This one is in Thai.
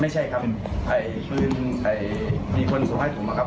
ไม่ใช่ครับไอ้ฟื้นไอ้มีคนส่งให้ถุงมาครับ